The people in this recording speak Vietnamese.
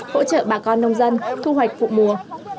hỗ trợ bà con nông dân thu hoạch vụ mùa